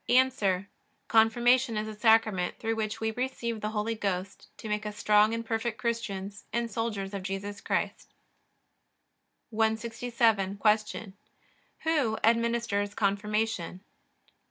A. Confirmation is a Sacrament through which we receive the Holy Ghost to make us strong and perfect Christians and soldiers of Jesus Christ. 167. Q. Who administers Confirmation?